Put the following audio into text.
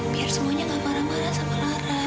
biar semuanya enggak marah marah sama lara